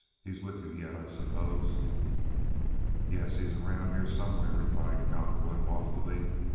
He's with you yet, I suppose?" "Yes, he's around here somewhere," replied Cowperwood, loftily.